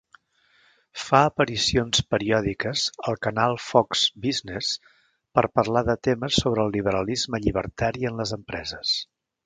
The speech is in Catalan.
Fa aparicions periòdiques al canal Fox Business per parlar de temes sobre el liberalisme llibertari en les empreses.